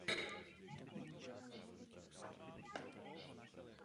Jsem ochoten se o tom s vámi bavit.